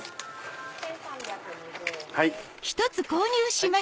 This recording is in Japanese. １３２０円です。